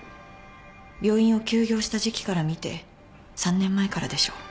病院を休業した時期からみて３年前からでしょう。